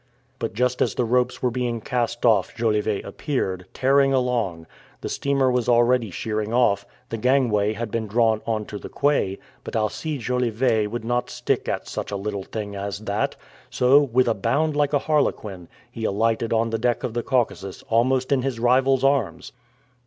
But just as the ropes were being cast off, Jolivet appeared, tearing along. The steamer was already sheering off, the gangway had been drawn onto the quay, but Alcide Jolivet would not stick at such a little thing as that, so, with a bound like a harlequin, he alighted on the deck of the Caucasus almost in his rival's arms.